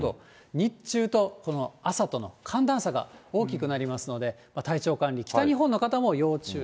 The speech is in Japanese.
日中とこの朝との寒暖差が大きくなりますので、体調管理、北日本の方も要注意。